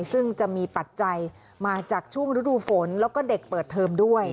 ซึ่งจะมีปัจจัยมาจากช่วงฤดูฝนแล้วก็เด็กเปิดเทอมด้วย